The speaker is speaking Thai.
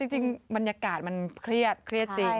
จริงบรรยากาศมันเครียดเครียดจริง